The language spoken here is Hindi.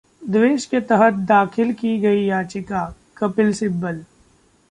द्वेष के तहत दाखिल की गई याचिका: कपिल सिब्बल